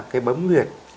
cái bấm nguyệt